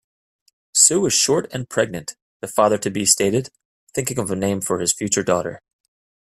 "Sue is short and pregnant", the father-to-be stated, thinking of a name for his future daughter.